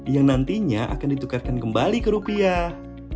yang nantinya akan ditukarkan kembali ke rupiah